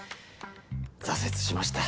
挫折しました。